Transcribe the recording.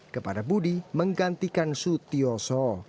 kepada budi menggantikan su tio so